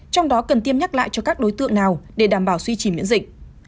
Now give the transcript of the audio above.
trong đó cần tiêm nhắc lại cho các đối tượng nào để đảm bảo suy trì miễn dịch